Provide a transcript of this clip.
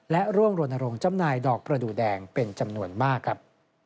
และร่วมรณรงค์จำหน่ายดอกประดูแดงเป็นจำนวนมากครับ